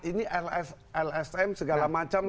ini lsm segala macam